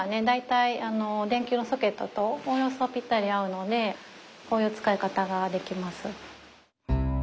大体電球のソケットとおおよそぴったり合うのでこういう使い方ができます。